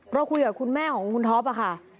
เราคุยกับคุณแม่ของคุณท็อปค่ะ